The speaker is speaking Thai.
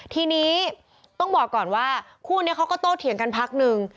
ทีนี้ต้องบอกก่อนว่าคู่นี้เขาก็โตเถียงกันพักนึง